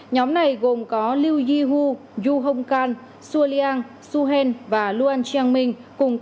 nhóm này gồm có liu yihu yu hongkan suoliang suhen và luoyang